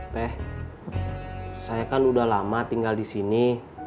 teh saya kan udah lama tinggal disini